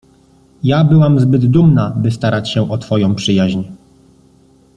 — Ja byłam zbyt dumna, by starać się o twoją przyjaźń.